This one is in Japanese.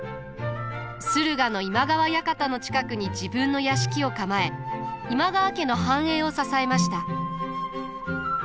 駿河の今川館の近くに自分の屋敷を構え今川家の繁栄を支えました。